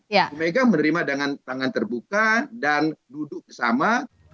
ibu mega menerima dengan tangan terbuka dan duduk bersama